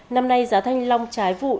năm nay giá thanh long trái vụ